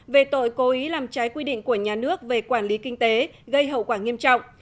về tội cố ý làm trái quy định của nhà nước về quản lý kinh tế gây hậu quả nghiêm trọng